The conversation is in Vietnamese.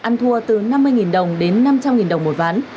ăn thua từ năm mươi đồng đến năm trăm linh đồng một ván